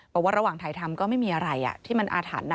บอกว่าระหว่างถ่ายทำก็ไม่มีอะไรที่มันอาถรรพ์